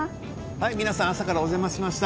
朝からお邪魔しました。